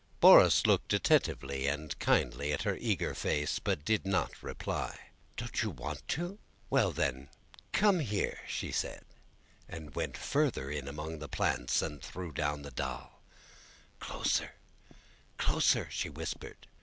Borís looked attentively and kindly at her eager face, but did not reply. "Don't you want to? Well, then, come here," said she, and went further in among the plants and threw down the doll. "Closer, closer!" she whispered.